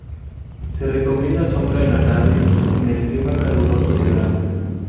Se recomienda sombra en la tarde en climas calurosos de verano.